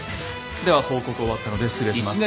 では報告終わったので失礼します。